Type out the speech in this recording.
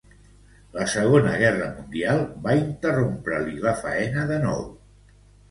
La Segona Guerra Mundial va interrompre-li la faena de nou.